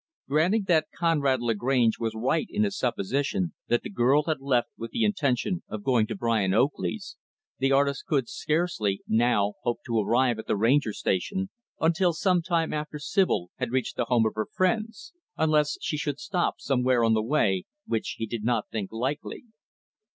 Granting that Conrad Lagrange was right in his supposition that the girl had left with the intention of going to Brian Oakley's, the artist could scarcely, now, hope to arrive at the Ranger Station until some time after Sibyl had reached the home of her friends unless she should stop somewhere on the way, which he did not think likely.